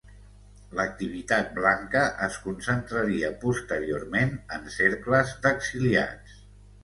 L'activitat blanca es concentraria posteriorment en cercles d'exiliats.